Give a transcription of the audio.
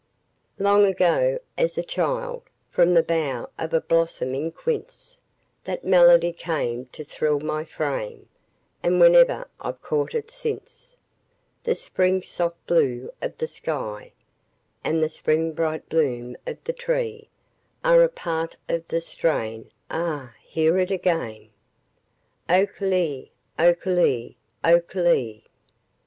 Long ago as a child, From the bough of a blossoming quince, That melody came to thrill my frame, And whenever I've caught it since, The spring soft blue of the sky And the spring bright bloom of the tree Are a part of the strain ah, hear it again! O ke lee, o ke lee, o ke lee!